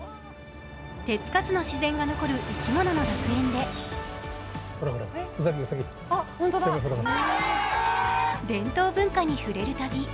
手つかずの自然が残る生き物の楽園で伝統文化に触れる旅。